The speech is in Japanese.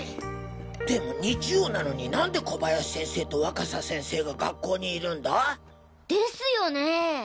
でも日曜なのになんで小林先生と若狭先生が学校にいるんだ？ですよねぇ？